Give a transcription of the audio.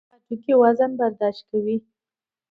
هډوکي وزن برداشت کوي.